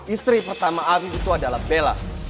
istri pertama ami itu adalah bella